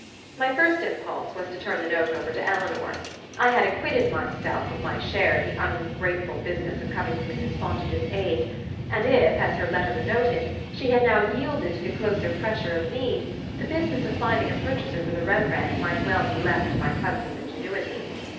My first impulse was to turn the note over to Eleanor. I had acquitted myself of my share in the ungrateful business of coming to Mrs. Fontage's aid, and if, as her letter denoted, she had now yielded to the closer pressure of need, the business of finding a purchaser for the Rembrandt might well be left to my cousin's ingenuity.